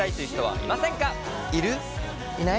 いない？